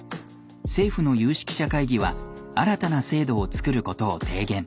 政府の有識者会議は新たな制度を作ることを提言